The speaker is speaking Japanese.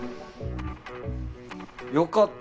よかった！